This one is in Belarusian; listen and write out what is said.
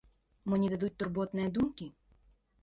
Мо не дадуць турботныя думкі?